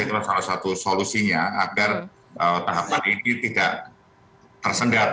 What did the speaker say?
itulah salah satu solusinya agar tahapan ini tidak tersendat